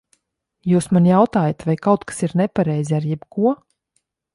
Jūs man jautājat, vai kaut kas ir nepareizi ar jebko?